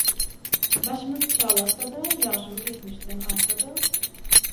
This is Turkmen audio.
Başymyz çalarsa-da, ýaşymyz ýetmişden agsa-da…